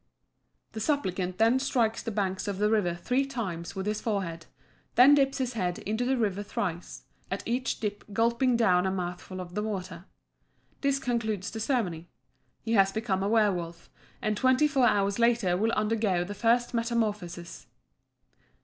The supplicant then strikes the banks of the river three times with his forehead; then dips his head into the river thrice, at each dip gulping down a mouthful of the water. This concludes the ceremony he has become a werwolf, and twenty four hours later will undergo the first metamorphosis.